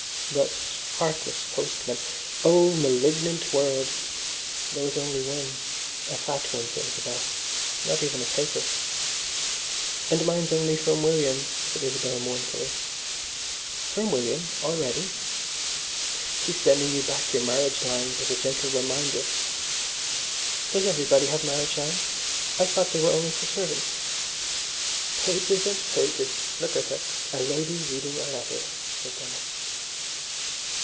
But, heartless postman—O malignant world! There was only one, a fat one for Isabel. Not even a paper. "And mine's only from William," said Isabel mournfully. "From William—already?" "He's sending you back your marriage lines as a gentle reminder." "Does everybody have marriage lines? I thought they were only for servants." "Pages and pages! Look at her! A Lady reading a Letter," said Dennis.